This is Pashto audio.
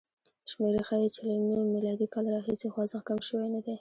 شمېرې ښيي چې له م کال راهیسې خوځښت کم شوی نه دی.